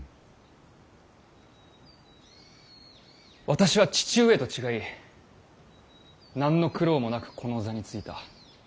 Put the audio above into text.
私は父上と違い何の苦労もなくこの座に就いた。